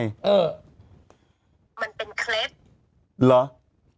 มันเป็นเคล็ด